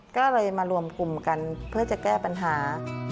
ก็เลยมารวมกลุ่มกันเพื่อจะแก้ปัญหา